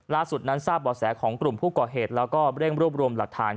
ล่าสุดนั้นทราบบ่อแสของกลุ่มผู้ก่อเหตุแล้วก็เร่งรวบรวมหลักฐาน